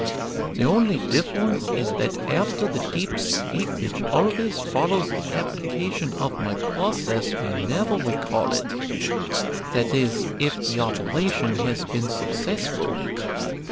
The only difference is that after the deep sleep which always follows the application of my process we never recall it, that is, if the operation has been successful.